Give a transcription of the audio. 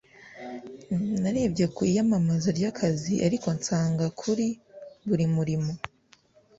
narebye ku iyamamaza ry'akazi, ariko nsanga kuri buri murimo